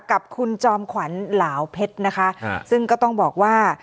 กับคุณจอมขวัญเหลาเพชรนะคะซึ่งก็ต้องบอกว่า